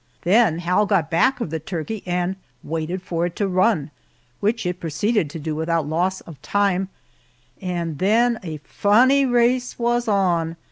Then Hal got back of the turkey and waited for it to run, which it proceeded to do without loss of time, and then a funny race was on!